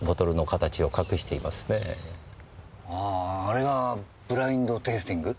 あああれがブラインド・テイスティング？